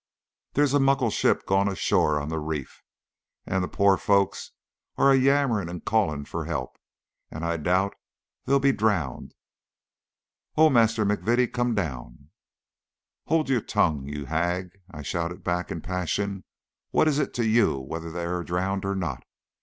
There's a muckle ship gaun ashore on the reef, and the puir folks are a' yammerin' and ca'in' for help and I doobt they'll a' be drooned. Oh, Maister M'Vittie, come doun!" "Hold your tongue, you hag!" I shouted back in a passion. "What is it to you whether they are drowned or not?